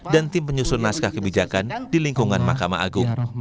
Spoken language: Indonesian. dan tim penyusun naskah kebijakan di lingkungan makam agung